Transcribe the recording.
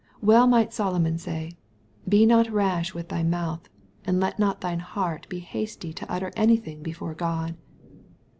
Well might Solomon say, " Be not rash with thy mouth, and let not thine heart be hasty to utter anything before God."